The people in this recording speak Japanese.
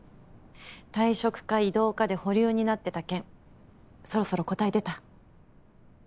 退職か異動かで保留になってた件そろそろ答え出た？